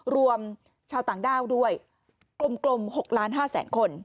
รวมชาวต่างด้าวด้วยกลม๖๕๐๐๐๐๐คน